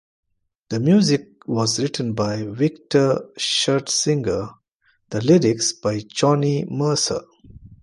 The music was written by Victor Schertzinger, the lyrics by Johnny Mercer.